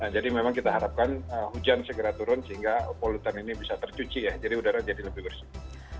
jadi memang kita harapkan hujan segera turun sehingga polutan ini bisa tercuci jadi udara jadi lebih bersih